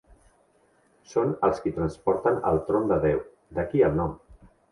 Són els qui transporten el Tron de Déu, d'aquí el nom.